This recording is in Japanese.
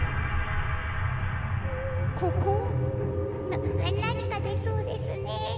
ななにかでそうですね。